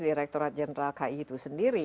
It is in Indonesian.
direkturat jenderal ki itu sendiri